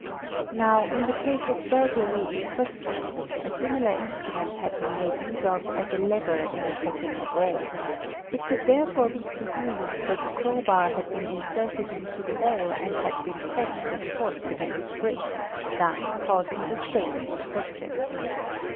Now in the case of burglary in question a similar instrument had been made use of as a lever in attacking a wall; it could therefore be presumed that _ the crowbar had been inserted into the wall and had been pressed with , force against a brick, thus causing the stain in question.